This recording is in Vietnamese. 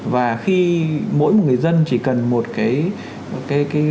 và khi mỗi một người dân chỉ cần một cái